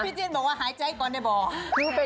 พี่เจียนบอกว่าหายใจก่อนได้บอก